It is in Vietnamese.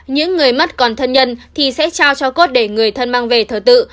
những người mất còn thân nhân thì sẽ trao cho cốt để người thân mang về thở tự